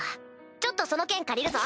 ちょっとその剣借りるぞ。